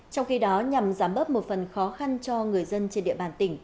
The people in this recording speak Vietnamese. trong khi đó nhằm giám bóp một phần khó khăn cho người dân trên địa bàn tỉnh